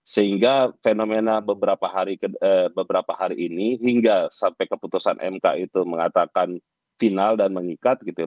sehingga fenomena beberapa hari ini hingga sampai keputusan mk itu mengatakan final dan mengikat gitu ya